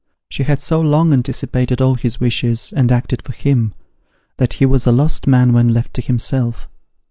She had so long anticipated all his wishes, and actod for him, that he was a lost man when left to himself.